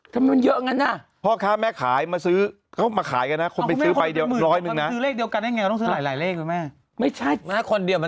เยอะจังมันเยอะใช่ไหมอ่ะมันเยอะใช่ไหมอ่ะ